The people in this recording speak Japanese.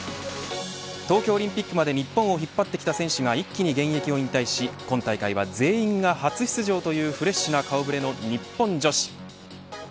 東京オリンピックまで日本を引っ張ってきた選手が一気に現役を引退し今大会は全員が初出場というフレッシュな顔触れの日本女子。